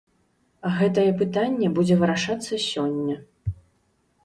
Гэтае пытанне будзе вырашацца сёння.